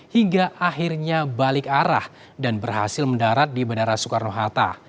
hingga akhirnya balik arah dan berhasil mendarat di bandara soekarno hatta